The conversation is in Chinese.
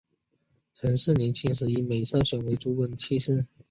陈氏年轻时以美色选为朱温的妾室。